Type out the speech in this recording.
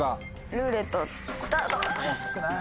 ルーレットスタート。